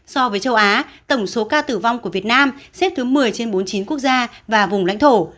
so với châu á tổng số ca tử vong của việt nam xếp thứ một mươi trên bốn mươi chín quốc gia và vùng lãnh thổ